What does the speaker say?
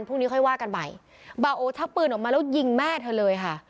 พรุ่งนี้ค่อยว่ากันไปบ่าโอชักปืนออกมาแล้วยิงแม่เธอเลยค่ะ